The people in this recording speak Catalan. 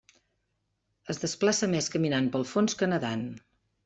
Es desplaça més caminant pel fons que nedant.